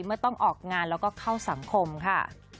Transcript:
เมื่อต้องออกงานแล้วก็เข้าสังคมค่ะ